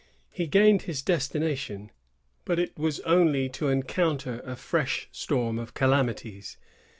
He gained his destination, but it was only to encounter a fresh storm of calamities.